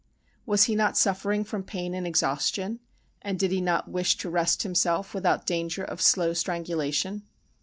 Was he not suffering from pain and exhaustion, and did he not wish to rest himself, without danger of slow strangulation?